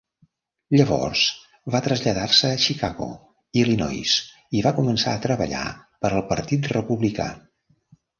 Llavors va traslladar-se a Chicago, Illinois i va començar a treballar per al Partit Republicà.